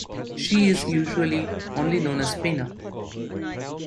She is usually only known as Pina.